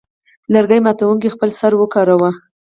لرګي ماتوونکي خپل سر وګراوه.